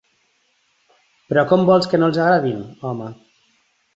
Però com vols que no els agradin, home?